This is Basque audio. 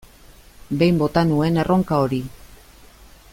Behin bota nuen erronka hori.